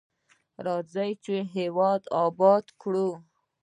راځئ چې هیواد اباد کړو.